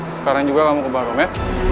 sekarang juga kamu ke barum ya